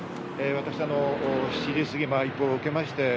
私、７時すぎ、一報を受けました。